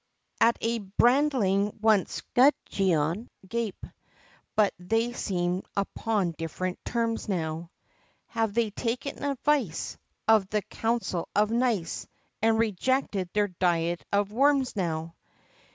At a brandling once Gudgeon would gape, But they seem upon different terms now; Have they taken advice Of the "Council of Nice," And rejected their "Diet of Worms," now?